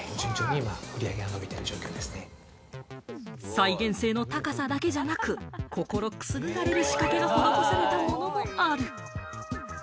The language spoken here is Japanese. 再現性の高さだけじゃなく、心くすぐられる仕掛けが施されたものもある。